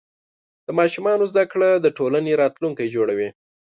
د ماشومانو زده کړه د ټولنې راتلونکی جوړوي.